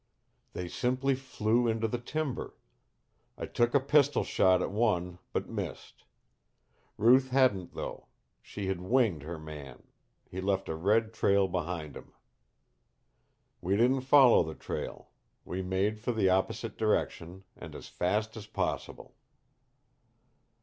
"They simply flew into the timber. I took a pistol shot at one but missed. Ruth hadn't though; she had winged her man; he left a red trail behind him. "We didn't follow the trail. We made for the opposite direction and as fast as possible.